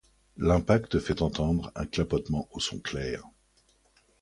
L'impact fait entendre un clapotement au son clair.